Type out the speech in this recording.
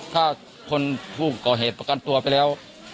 ถ้าคนผู้ก่อเหตุประกันตัวไปแล้ว